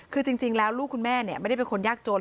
คือจริงแล้วลูกคุณแม่ไม่ได้เป็นคนยากจน